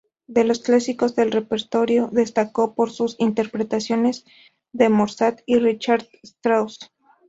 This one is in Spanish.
De los clásicos del repertorio destacó por sus interpretaciones de Mozart y Richard Strauss.